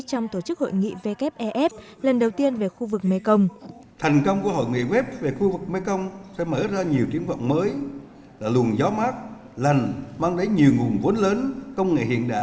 trong tổ chức hội nghị wf lần đầu tiên về khu vực mekong